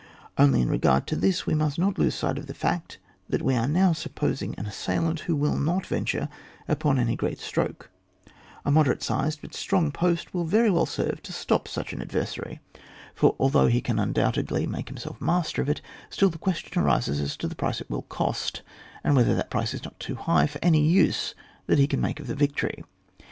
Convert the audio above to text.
Only in regard to this we must Bot lose sight of the fact, that we are now supposing an assailant who will not venture upon any g^eat stroke, a mod erate sized, but strong post will very well serve to stop such an adversary, for al though he can undoubtedly make himself master of it, still the question arises as to the price it will cost, and whether that price is not too high for any use that he can make of the victory.